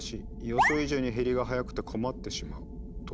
予想以上に減りが早くて困ってしまう」と。